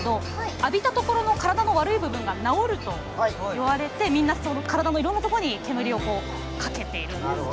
浴びたところの体の悪い部分が直るといわれてみんな体のいろんなところに煙をかけているんです。